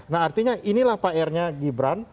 nah artinya inilah pr nya gibran